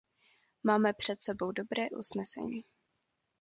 Máme před sebou dobré usnesení.